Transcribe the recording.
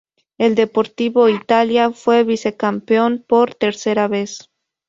El Deportivo Italia fue vicecampeón por tercera vez.